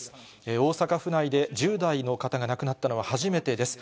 大阪府内で１０代の方が亡くなったのは初めてです。